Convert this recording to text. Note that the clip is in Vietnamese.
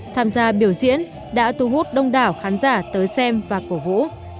tham gia biểu diễn đã thu hút đông đảo khán giả tới xem và cổ vũ